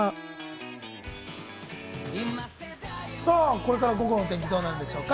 これから午後の天気、どうなんでしょうか？